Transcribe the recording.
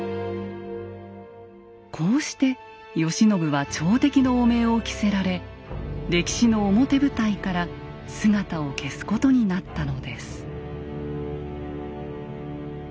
こうして慶喜は朝敵の汚名を着せられ歴史の表舞台から姿を消すことになったのです。